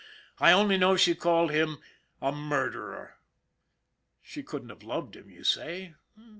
I only know she called him a murderer. She couldn't have loved him, you say.